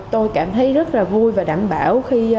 tôi cảm thấy rất là vui và đảm bảo